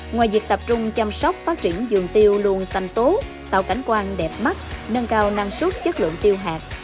ngoài việc tập trung chăm sóc phát triển dường tiêu luôn xanh tốt tạo cảnh quan đẹp mắt nâng cao năng suất chất lượng tiêu hạt